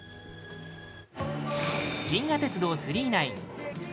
「銀河鉄道９９９」